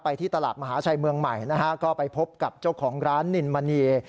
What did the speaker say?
ที่ตลาดมหาชัยเมืองใหม่นะฮะก็ไปพบกับเจ้าของร้านนินมณี